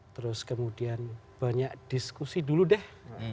terus kemudian banyak diskusi dulu deh